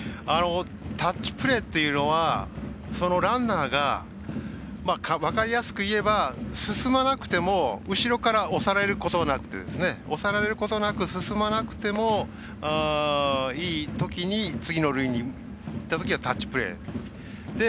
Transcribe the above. タッチプレーというのはランナーが分かりやすくいえば進まなくても後ろから押されることなく進まなくてもいいときに次の塁にいったときはタッチプレー。